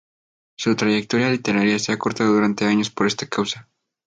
Su trayectoria literaria se ha cortado durante años por esta causa.